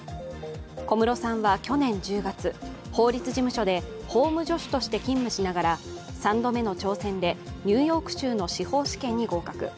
小室さんは去年１０月、法律事務所で法務助手として勤務しながら３度目の挑戦でニューヨーク州の司法試験に合格。